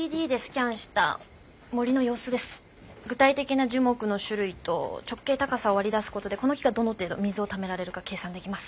具体的な樹木の種類と直径高さを割り出すことでこの木がどの程度水をためられるか計算できます。